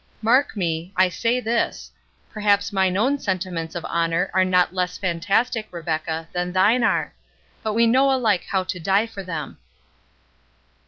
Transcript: Mark me—I say this—perhaps mine own sentiments of honour are not less fantastic, Rebecca, than thine are; but we know alike how to die for them."